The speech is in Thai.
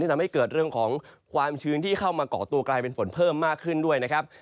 ทำให้เกิดเรื่องของความชื้นที่เข้ามาก่อตัวกลายเป็นฝนเพิ่มมากขึ้นด้วยนะครับ